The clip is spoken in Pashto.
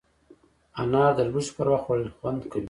انار د لوږې پر وخت خوړل خوند کوي.